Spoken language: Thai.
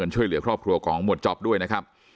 ช่วยเหลือครอบครัวของหมวดจ๊อปด้วยนะครับ